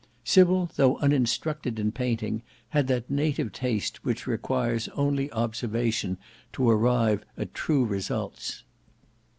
Sybil, though uninstructed in painting, had that native taste which requires only observation to arrive at true results.